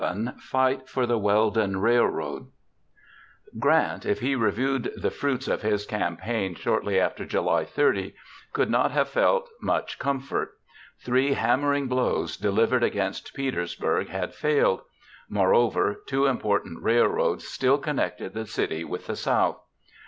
_] FIGHT FOR THE WELDON RAILROAD Grant, if he reviewed the fruits of his campaign shortly after July 30, could not have felt much comfort. Three hammering blows delivered against Petersburg had failed. Moreover, two important railroads still connected the city with the South.